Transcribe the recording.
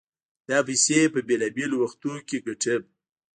دا پيسې په بېلابېلو وختونو کې ګټم.